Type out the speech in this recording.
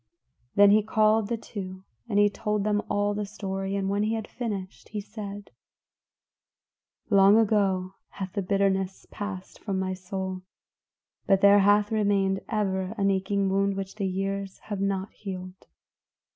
Then he called the two, and he told them all the story, and when he had finished, he said, "Long ago hath the bitterness passed from my soul; but there hath remained ever an aching wound which the years have not healed.